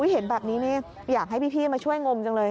เห็นแบบนี้นี่อยากให้พี่มาช่วยงมจังเลย